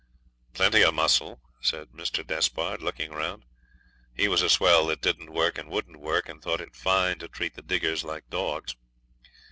'Plenty of muscle,' said Mr. Despard, looking round. He was a swell that didn't work, and wouldn't work, and thought it fine to treat the diggers like dogs.